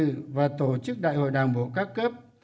chuẩn bị văn kiện nhân sự và tổ chức đại hội đảng bộ các cấp